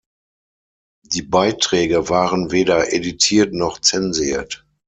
Die Beiträge waren weder editiert, noch zensiert.